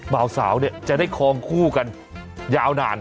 บ่าวสาวจะได้คลองคู่กันยาวนาน